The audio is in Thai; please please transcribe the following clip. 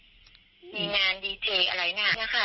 เขาก็เห็นว่ามีที่ที่ร้านนี้เขามีอะไรนะครับมีงานดีเจอะไรนะครับ